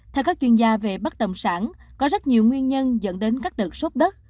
theo các chuyên gia về bất động sản có rất nhiều nguyên nhân dẫn đến các đợt sốt đất